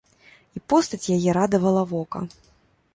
І постаць яе радавала вока.